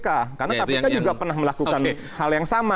karena kpk juga pernah melakukan hal yang sama